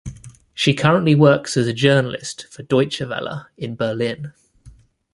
She currently works as a journalist for Deutsche Welle in Berlin.